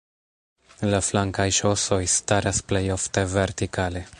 La flankaj ŝosoj staras plej ofte vertikale.